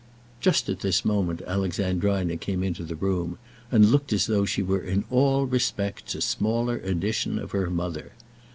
Just at this moment Alexandrina came into the room, and looked as though she were in all respects a smaller edition of her mother.